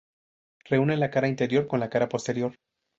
Reúne la cara anterior con la cara posterior.